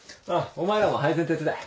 お前らも配膳手伝え。